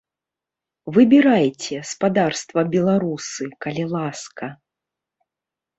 Выбірайце, спадарства беларусы, калі ласка.